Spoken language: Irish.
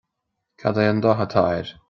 Cad é an dath atá air